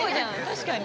確かに。